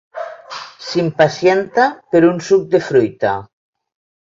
S'impacienta per un suc de fruita.